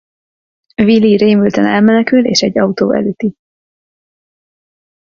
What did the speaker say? Willy rémülten elmenekül és egy autó elüti.